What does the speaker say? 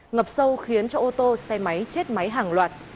ngập sâu khiến cho ô tô xe máy chết máy hàng loạt